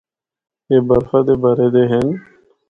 اے برفا دے بھرے دے ہن۔